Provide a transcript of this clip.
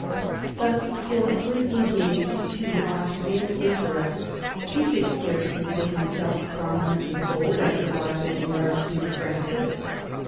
Thus closely engaged to the Austrian interest, he could scarcely put himself prominently forward as the rival of the Archduke Francis.